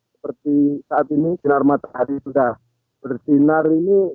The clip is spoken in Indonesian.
seperti saat ini sinar matahari sudah bersinar ini